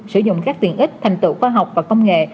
sử dụng các tiện ích thành tựu khoa học và công nghệ